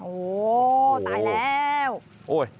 โอ้โฮตายแล้ว